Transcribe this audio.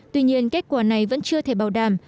tuy nhiên kết quả này vẫn chưa thể bảo đảm